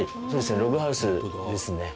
ログハウスですね。